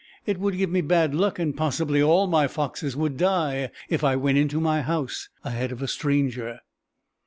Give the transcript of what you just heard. "It would give me bad luck and possibly all my foxes would die, if I went into my house ahead of a stranger."